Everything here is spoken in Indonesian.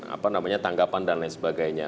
apa namanya tanggapan dan lain sebagainya